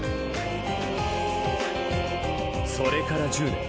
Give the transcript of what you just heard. ［それから１０年。